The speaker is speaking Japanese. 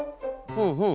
ふんふん。